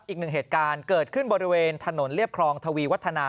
อีกหนึ่งเหตุการณ์เกิดขึ้นบริเวณถนนเรียบครองทวีวัฒนา